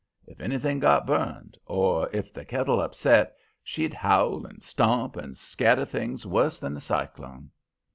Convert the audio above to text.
If anything got burned, or if the kittle upset, she'd howl and stomp and scatter things worse than a cyclone.